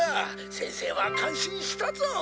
先生は感心したぞ」